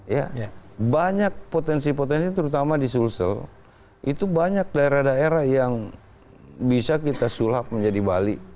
ya banyak potensi potensi terutama di sulsel itu banyak daerah daerah yang bisa kita sulap menjadi bali